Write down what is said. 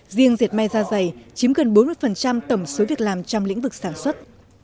riêng diệt me ra giày chiếm gần bốn mươi tổng số việc làm trong lĩnh vực sản xuất